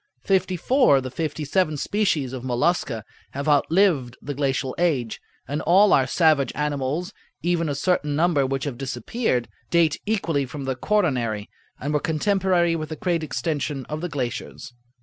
Fifty four of the fifty seven species of Mollusca have outlived the glacial age, and all our savage animals—even a certain number which have disappeared—date equally from the quaternary, and were contemporary with the great extension of the glaciers.